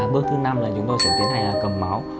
bước thứ năm là chúng tôi sẽ tiến hành cầm máu